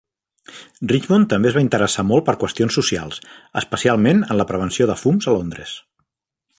Richmond també es va interessar molt per qüestions socials, especialment en la prevenció de fums a Londres.